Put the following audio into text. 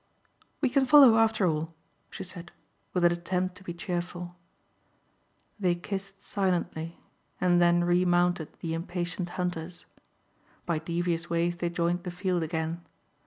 "We can follow after all," she said, with an attempt to be cheerful. They kissed silently and then remounted the impatient hunters. By devious ways they joined the field again.